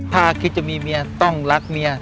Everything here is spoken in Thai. ถ้าคิดจะมีเมียต้องรักเมีย